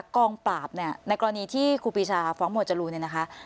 กองปราบเนี่ยในกรณีที่ครูปีชาฟ้องหมวดจรูนเนี่ยนะคะ